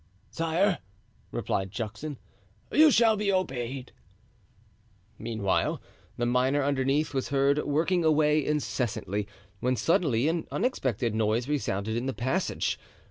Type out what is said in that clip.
"Sire," replied Juxon, "you shall be obeyed." Meanwhile, the miner underneath was heard working away incessantly, when suddenly an unexpected noise resounded in the passage.